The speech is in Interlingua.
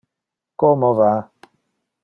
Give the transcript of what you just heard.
Como va?